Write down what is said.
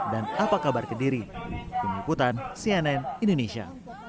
dan apa kabar kediri penyelamatan cnn indonesia